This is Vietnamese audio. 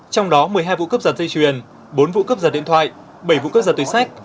trong đó một mươi hai vụ cướp giật dây chuyền bốn vụ cướp giật điện thoại bảy vụ cướp giật túi sách